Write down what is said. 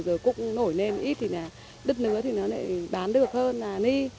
giờ cũng nổi lên ít thì nè đất nước thì nó lại bán được hơn là ni